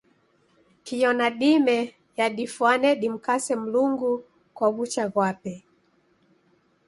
Kio na dime yadifwane dimkase Mlungu kwa w'ucha ghwape.